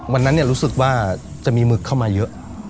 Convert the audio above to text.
วันนั้นรู้สึกว่าจะมีหมึกเข้ามาเยอะ